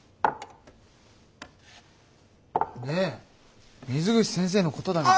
で水口先生のことだけどさ。